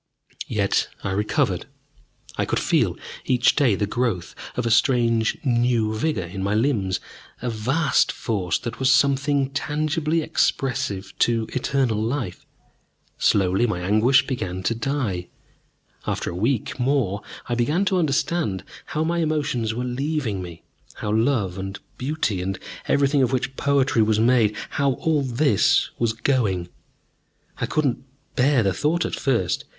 Yet I recovered. I could feel each day the growth of a strange new vigor in my limbs, a vast force that was something tangibly expressive to eternal life. Slowly my anguish began to die. After a week more, I began to understand how my emotions were leaving me, how love and beauty and everything of which poetry was made how all this was going. I could not bear the thought at first.